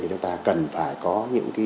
thì chúng ta cần phải có những cái